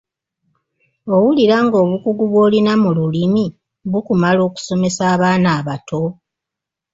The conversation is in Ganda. Owulira ng’obukugu bw’olina mu Lulimi bukumala okusomesa abaana abato?